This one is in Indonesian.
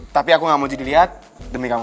tapi aku enggak mau jadi liat demi kamu